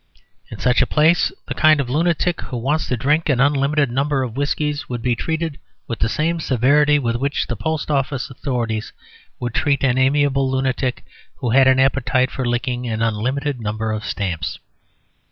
In such a place the kind of lunatic who wants to drink an unlimited number of whiskies would be treated with the same severity with which the post office authorities would treat an amiable lunatic who had an appetite for licking an unlimited number of stamps.